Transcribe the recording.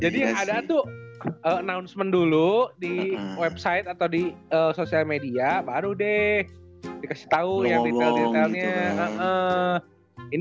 jadi yang ada tuh announcement dulu di website atau di social media baru deh dikasih tau yang detail detailnya